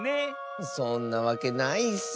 そんなわけないッス！